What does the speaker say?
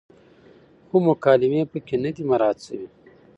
خو مکالمې پکې نه دي مراعت شوې،